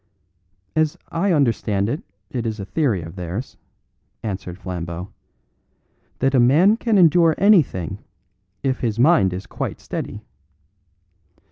"As I understand it, it is a theory of theirs," answered Flambeau, "that a man can endure anything if his mind is quite steady.